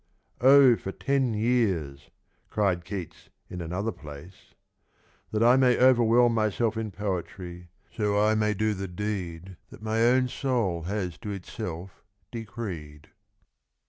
" Oh, for ten years," cried Keats in another place —" that 1 may overwhelm Myself in poetry ; so I may do the deed That my own soul has to itself decreed.